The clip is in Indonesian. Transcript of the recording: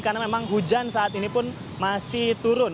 karena memang hujan saat ini pun masih turun